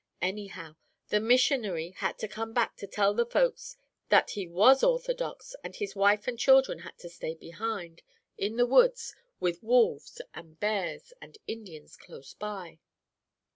Anyhow, the missionary had to come back to tell the folks that he was orthodox, and his wife and children had to stay behind, in the woods, with wolves and bears and Indians close by.